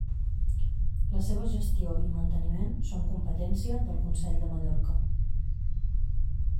La seva gestió i manteniment són competència del Consell de Mallorca.